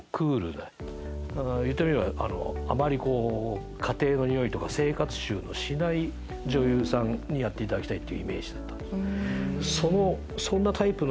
だから言ってみればあまり家庭のにおいとか生活臭のしない女優さんにやっていただきたいイメージだったんです。